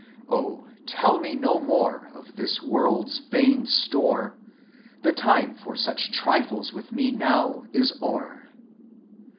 Oh, tell me no more of this world's vain store. The time for sach trifles with me now is o'er.